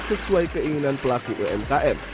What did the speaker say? sesuai keinginan pelaku umkm